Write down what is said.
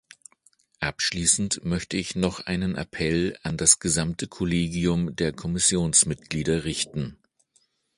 Abschließend möchte ich noch einen Appell an das gesamte Kollegium der Kommissionsmitglieder richten.